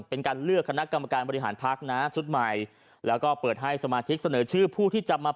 เป็นการเลือกคณะกรรมการบริหารพักนะชุดใหม่แล้วก็เปิดให้สมาชิกเสนอชื่อผู้ที่จะมา